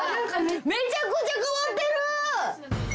めちゃくちゃ変わってる！